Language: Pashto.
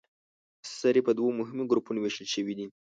سرې په دوو مهمو ګروپونو ویشل شوې دي.